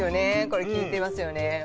これ効いてますよね